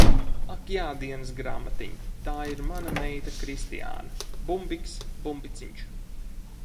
Ak jā, Dienasgrāmatiņ, tā ir mana meita Kristiāna. Bumbiks, Bumbiciņš.